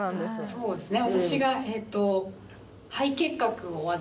そうですね。